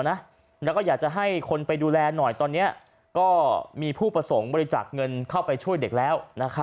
แล้วก็อยากจะให้คนไปดูแลหน่อยตอนนี้ก็มีผู้ประสงค์บริจาคเงินเข้าไปช่วยเด็กแล้ว